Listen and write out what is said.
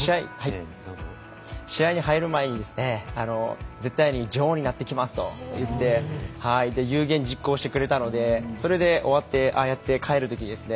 試合に入る前に絶対に女王になってきますと言って有言実行してくれたのでそれで終わってああやって帰るときですね